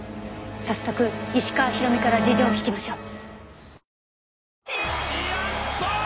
早速石川宏美から事情を聞きましょう。